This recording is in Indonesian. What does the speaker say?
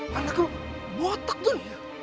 mana ke botak tuh